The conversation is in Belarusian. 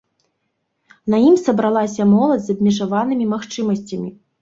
На ім сабралася моладзь з абмежаванымі магчымасцямі.